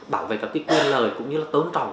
bảo vệ các cái quyền lợi cũng như là tôn trọng